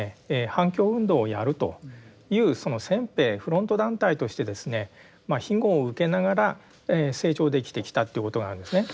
反共運動をやるという先兵フロント団体としてですね庇護を受けながら成長できてきたってことなんですね。